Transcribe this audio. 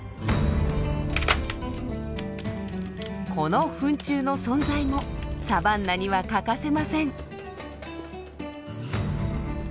このフン虫の存在もサバンナには欠かせません。